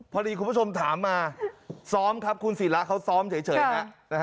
พอดีคุณผู้ชมถามมาซ้อมครับคุณศิระเขาซ้อมเฉยฮะ